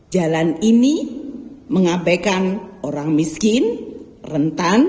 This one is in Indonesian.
jalan ini mengabaikan orang miskin rentan